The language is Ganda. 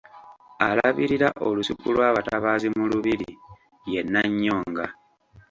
Alabirira olusuku lw’abatabaazi mu Lubiri ye Nnannyonga.